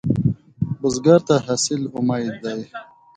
بزګر ته حاصل امید دی